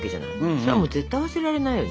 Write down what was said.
それは絶対忘れられないよね。